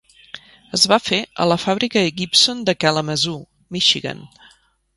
Es va fer a la fàbrica Gibson de Kalamazoo, Michigan.